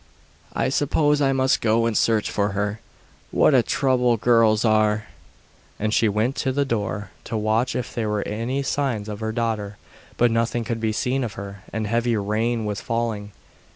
I suppose I must go and search for her. What a trouble girls are!' And she went to the door to watch if there were any signs of her daughter. But nothing could be seen of her, and heavy rain was falling.